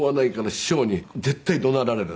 師匠に絶対怒鳴られる。